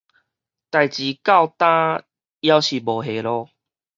代誌到今猶是無下落